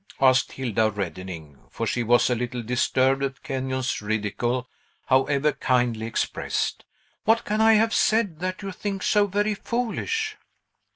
asked Hilda, reddening; for she was a little disturbed at Kenyon's ridicule, however kindly expressed. "What can I have said, that you think so very foolish?"